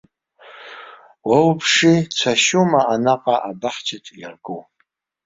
Уо, уԥши, цәашьума анаҟа абаҳчаҿ иарку?